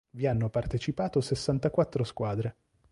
Vi hanno partecipato sessantaquattro squadre.